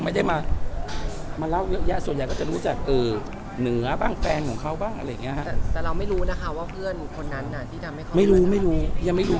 มันน่ะมันน่ะมันน่ะมันน่ะมันน่ะมันน่ะมันน่ะมันน่ะมันน่ะม